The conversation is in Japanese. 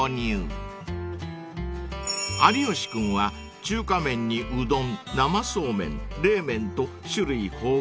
［有吉君は中華麺にうどん生そうめん冷麺と種類豊富］